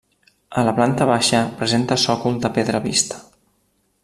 A la planta baixa presenta sòcol de pedra vista.